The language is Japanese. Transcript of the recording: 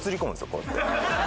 こうやって。